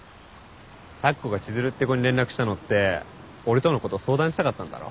咲子が千鶴って子に連絡したのって俺とのこと相談したかったんだろ？